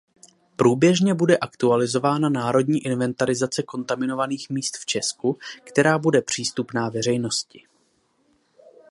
Průběžně bude aktualizována národní inventarizace kontaminovaných míst v česku, která bude přístupná veřejnosti.